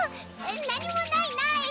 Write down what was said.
何もないない！